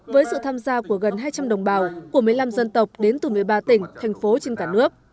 với sự tham gia của gần hai trăm linh đồng bào của một mươi năm dân tộc đến từ một mươi ba tỉnh thành phố trên cả nước